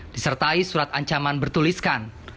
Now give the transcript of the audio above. disertai surat ancaman bertuliskan